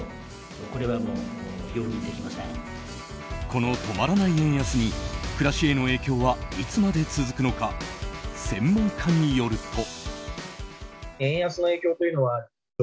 この止まらない円安に暮らしへの影響はいつまで続くのか専門家によると。